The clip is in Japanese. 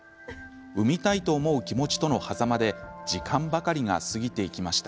産みたいと思う気持ちとのはざまで時間ばかりが過ぎていきました。